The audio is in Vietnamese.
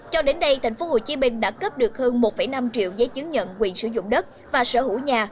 cho đến đây tp hcm đã cấp được hơn một năm triệu giấy chứng nhận quyền sử dụng đất và sở hữu nhà